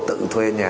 tự thuê nhà